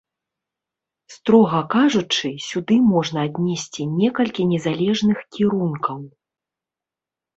Строга кажучы, сюды можна аднесці некалькі незалежных кірункаў.